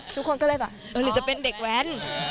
ทุกคนก็เลยแบบเออหรือจะเป็นเด็กแว้น